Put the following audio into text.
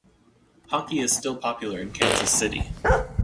Hockey is still popular in Kansas City.